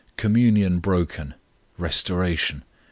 COMMUNION BROKEN. RESTORATION.